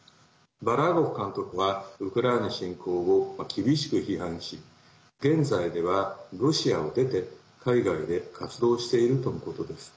バラーゴフ監督はウクライナ侵攻を厳しく批判し現在では、ロシアを出て海外で活動しているとのことです。